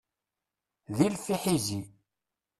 D ilef iḥizi.